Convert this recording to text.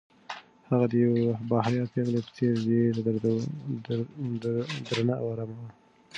هغه د یوې باحیا پېغلې په څېر ډېره درنه او ارامه وه.